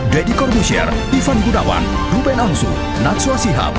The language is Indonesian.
deddy kordusier ivan gunawan ruben aungsu natsua sihab